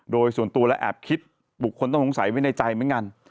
โดยส่วนตัวและแอบคิดบุคคลต้องสงสัยไว้ในใจเหมือนกัน